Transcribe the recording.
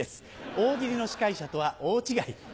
大喜利の司会者とは大違い。